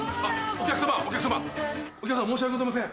お客様申し訳ございません。